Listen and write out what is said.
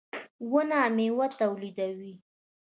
• ونه مېوه تولیدوي.